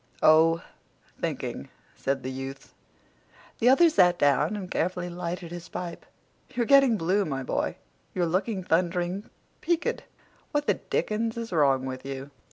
"Oh, thinking," said the youth. The other sat down and carefully lighted his pipe. "You're getting blue my boy. You're looking thundering peek ed. What the dickens is wrong with you?"